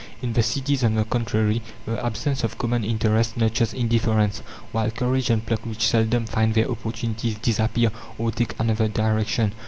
In the cities, on the contrary, the absence of common interest nurtures indifference, while courage and pluck, which seldom find their opportunities, disappear, or take another direction.